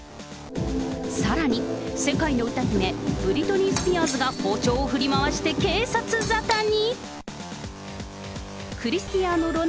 さらに、世界の歌姫、ブリトニー・スピアーズが包丁を振り回し警察沙汰に。